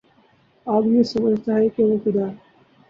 آدمی سمجھتا ہے کہ وہ خدا ہے